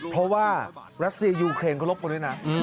เพราะว่ารัสเซียยูเครนก็ลบกว่านั้น